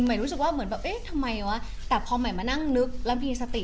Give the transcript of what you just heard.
รู้สึกว่าเหมือนแบบเอ๊ะทำไมวะแต่พอใหม่มานั่งนึกแล้วมีสติ